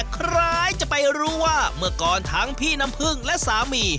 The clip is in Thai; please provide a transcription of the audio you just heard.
ใครจะไปรู้ว่าเมื่อก่อนทั้งพี่น้ำพึ่งและสามี